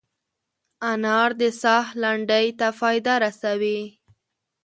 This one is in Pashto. انار د ساه لنډۍ ته فایده رسوي.